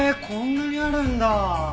こんなにあるんだ！